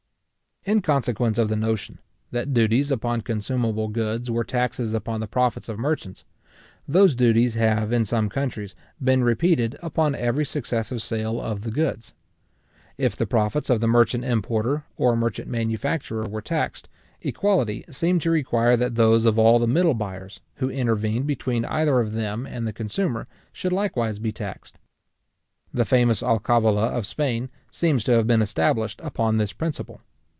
In consequence of the notion, that duties upon consumable goods were taxes upon the profits of merchants, those duties have, in some countries, been repeated upon every successive sale of the goods. If the profits of the merchant importer or merchant manufacturer were taxed, equality seemed to require that those of all the middle buyers, who intervened between either of them and the consumer, should likewise be taxed. The famous alcavala of Spain seems to have been established upon this principle.